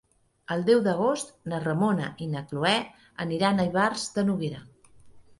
El deu d'agost na Ramona i na Cloè aniran a Ivars de Noguera.